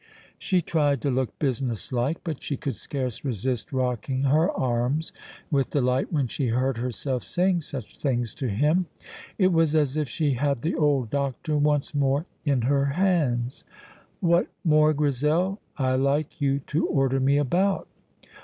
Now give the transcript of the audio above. She tried to look businesslike, but she could scarce resist rocking her arms with delight when she heard herself saying such things to him. It was as if she had the old doctor once more in her hands. "What more, Grizel? I like you to order me about."